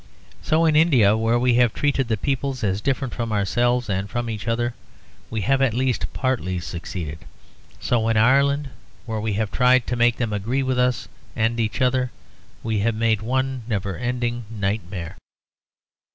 So in India where we have treated the peoples as different from ourselves and from each other we have at least partly succeeded. So in Ireland, where we have tried to make them agree with us and each other, we have made one never ending nightmare.